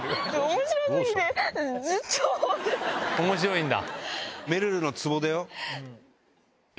面白いんだ。